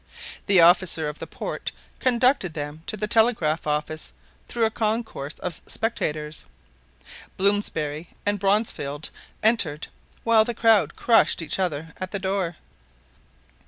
The officer of the port conducted them to the telegraph office through a concourse of spectators. Blomsberry and Bronsfield entered, while the crowd crushed each other at the door.